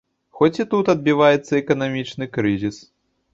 Хоць і тут адбіваецца эканамічны крызіс.